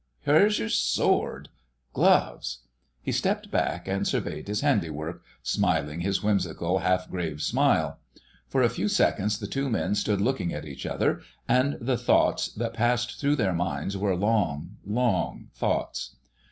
Where's your sword.... Gloves?" He stepped back and surveyed his handiwork, smiling his whimsical, half grave smile. For a few seconds the two men stood looking at each other, and the thoughts that passed through their minds were long, long thoughts.